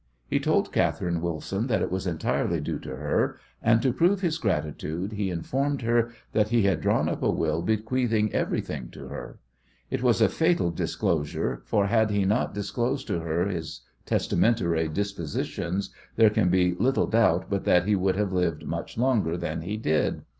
He told Catherine Wilson that it was entirely due to her, and to prove his gratitude he informed her that he had drawn up a will bequeathing everything to her. It was a fatal disclosure, for had he not disclosed to her his testamentary dispositions there can be little doubt but that he would have lived much longer than he did.